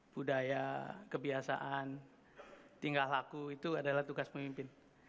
budaya kebiasaan tinggal laku itu adalah tugas pemimpin